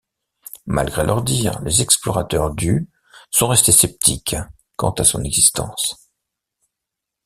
Malgré leurs dires, les explorateurs du sont restés sceptiques quant à son existence.